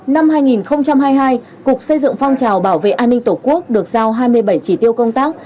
năm hai nghìn hai mươi hai cục xây dựng phong trào bảo vệ an ninh tổ quốc được giao hai mươi bảy chỉ tiêu công tác